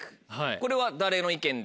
これは誰の意見で？